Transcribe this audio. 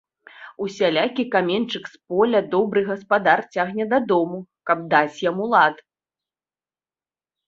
Усялякі каменьчык з поля добры гаспадар цягне дадому, каб даць яму лад.